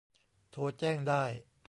โทรแจ้งได้